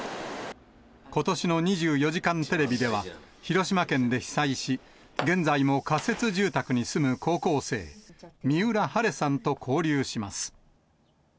ことしの２４時間テレビでは、広島県で被災し、現在も仮設住宅に住む高校生、三浦はれさんと交流します。